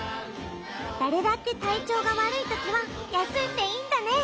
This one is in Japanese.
だれだってたいちょうがわるいときはやすんでいいんだね。